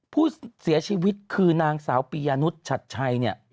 ผู้เสียชีวิตคือนางสาวปียานุษย์ชัดชัยเนี่ย